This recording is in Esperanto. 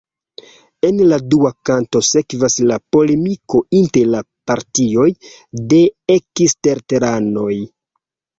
En la dua kanto sekvas la polemiko inter la partioj de eksterteranoj.